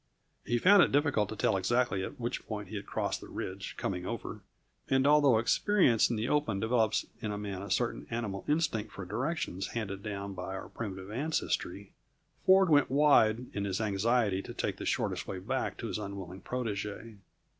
He found it difficult to tell exactly at which point he had crossed the ridge, coming over; and although experience in the open develops in a man a certain animal instinct for directions handed down by our primitive ancestry, Ford went wide in his anxiety to take the shortest way back to his unwilling protégée.